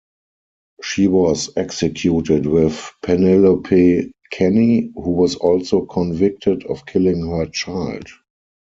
She was executed with Penelope Kenny, who was also convicted of killing her child.